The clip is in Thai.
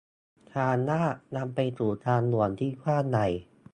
ทางลาดนำไปสู่ทางหลวงที่กว้างใหญ่